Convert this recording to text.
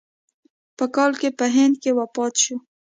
په کال کې په هند کې وفات شو.